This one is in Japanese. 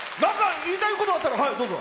言いたいこととあったらどうぞ。